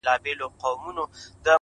اوس مي له هري لاري پښه ماته ده.